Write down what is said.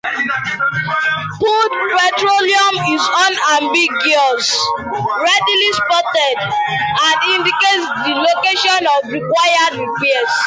Pooled petroleum is unambiguous, readily spotted, and indicates the location of required repairs.